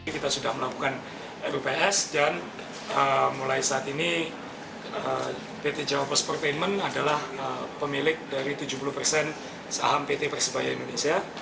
kita sudah melakukan rups dan mulai saat ini pt jawa post portainment adalah pemilik dari tujuh puluh persen saham pt persebaya indonesia